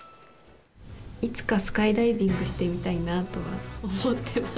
いつかスカイダイビングしてみたいなとは思ってます。